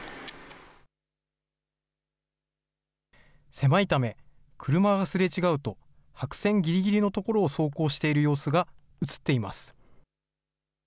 狭いため、車がすれ違うと、白線ぎりぎりの所を走行している様子が写っています。